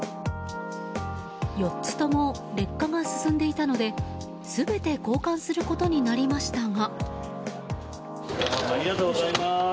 ４つとも劣化が進んでいたので全て交換することになりましたが。